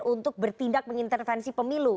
untuk bertindak mengintervensi pemilu